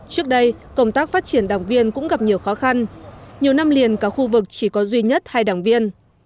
trước đây công tác phát triển đảng viên cũng gặp nhiều khó khăn nhiều năm liền cả khu vực chỉ có duy nhất hai đảng viên